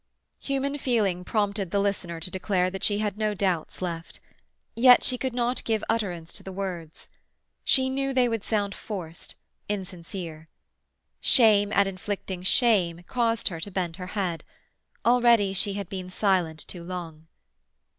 Human feeling prompted the listener to declare that she had no doubts left. Yet she could not give utterance to the words. She knew they would sound forced, insincere. Shame at inflicting shame caused her to bend her head. Already she had been silent too long.